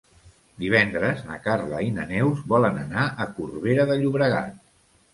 Divendres na Carla i na Neus volen anar a Corbera de Llobregat.